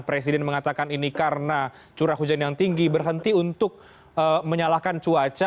presiden mengatakan ini karena curah hujan yang tinggi berhenti untuk menyalahkan cuaca